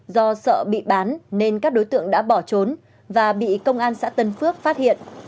do sợ bị bán nên các đối tượng đã bỏ trốn và bị công an xã tân phước phát hiện